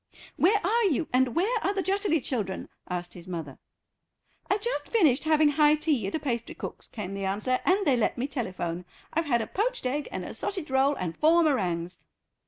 "Where are you, and where are the Jutterly children?" asked his mother. "I've just finished having high tea at a pastry cook's," came the answer, "and they let me telephone. I've had a poached egg and a sausage roll and four meringues."